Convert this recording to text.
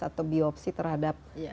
atau biopsi terhadap